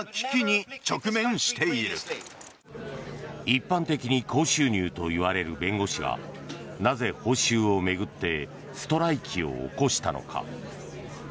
一般的に高収入といわれる弁護士がなぜ報酬を巡ってストライキを起こしたのか。